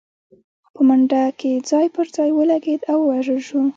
خو په منډه کې ځای پر ځای ولګېد او ووژل شو.